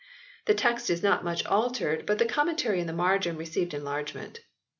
The text is not much altered but the commentary in the margin received enlargement.